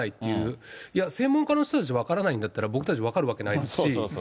いや、専門家の人たち分からないんだったら、僕たち分かるわけないですし。